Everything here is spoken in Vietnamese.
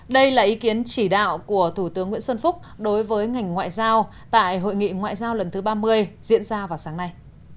đây là ý kiến chỉ đạo của thủ tướng nguyễn xuân phúc đối với ngành ngoại giao tại hội nghị ngoại giao lần thứ ba mươi diễn ra vào sáng nay